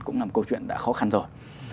cũng là một câu chuyện đã khó khăn rồi